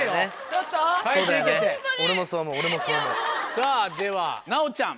さぁでは奈央ちゃん。